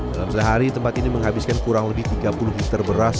dalam sehari tempat ini menghabiskan kurang lebih tiga puluh liter beras